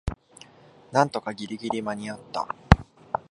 なんとかギリギリ間にあった